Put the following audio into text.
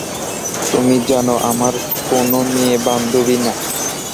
তুমি জানো, আমার কোন মেয়ে বান্ধবী নাই।